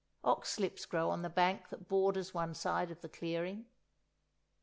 Oxlips grow on the bank that borders one side of the clearing.